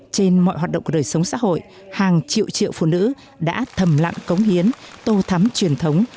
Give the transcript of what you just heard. trên mọi hoạt động của đời sống xã hội hàng triệu triệu phụ nữ đã thầm lặng cống hiến tô thắm truyền thống